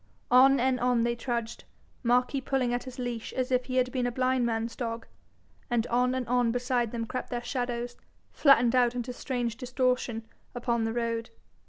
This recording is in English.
On and on they trudged, Marquis pulling at his leash as if he had been a blind man's dog, and on and on beside them crept their shadows, flattened out into strange distortion upon the road.